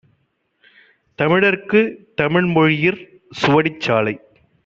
தமிழர்க்குத் தமிழ்மொழியிற் சுவடிச் சாலை